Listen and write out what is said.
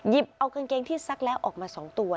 เอากางเกงที่ซักแล้วออกมา๒ตัว